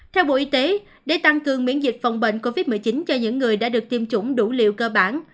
theo bộ y tế để tăng cường miễn dịch phòng bệnh covid một mươi chín cho những người đã được tiêm chủng đủ liều cơ bản